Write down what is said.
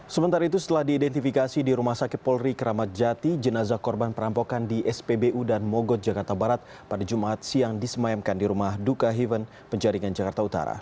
sementara itu setelah diidentifikasi di rumah sakit polri keramat jati jenazah korban perampokan di spbu dan mogot jakarta barat pada jumat siang disemayamkan di rumah duka heven penjaringan jakarta utara